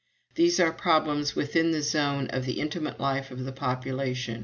These are problems within the zone of the intimate life of the population.